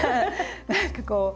何かこう。